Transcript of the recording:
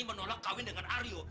aku menolak kahwin dengan aryo